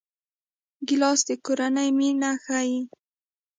ګیلاس د کورنۍ مینه ښيي.